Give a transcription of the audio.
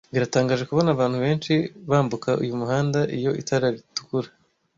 Biratangaje kubona abantu benshi bambuka uyu muhanda iyo itara ritukura.